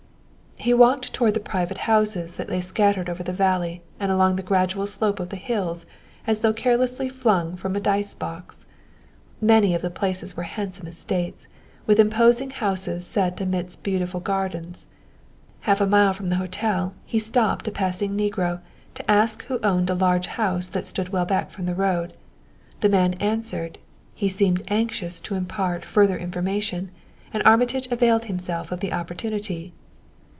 He walked toward the private houses that lay scattered over the valley and along the gradual slope of the hills as though carelessly flung from a dice box. Many of the places were handsome estates, with imposing houses set amid beautiful gardens. Half a mile from the hotel he stopped a passing negro to ask who owned a large house that stood well back from the road. The man answered; he seemed anxious to impart further information, and Armitage availed himself of the opportunity.